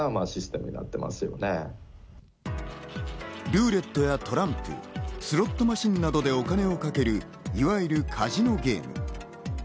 ルーレットやトランプ、スロットマシンなどでお金をかけるいわゆるカジノゲーム。